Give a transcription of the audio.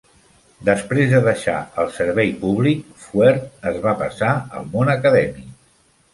Després de deixar el servei públic, Fuerth es va passar al món acadèmic.